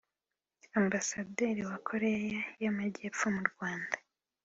Ambasaderi wa Korea y’Amajyepfo mu Rwanda